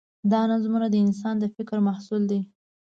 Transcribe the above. دا نظمونه د انسان د فکر محصول دي.